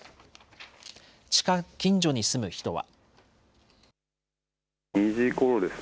近所に住む人は。